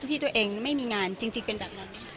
ที่ตัวเองไม่มีงานจริงเป็นแบบนั้น